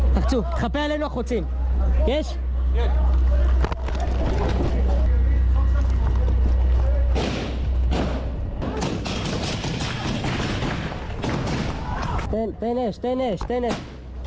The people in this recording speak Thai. เต้นเต้นเนชเต้นเนชเต้นเนช